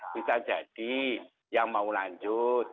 bisa jadi yang mau lanjut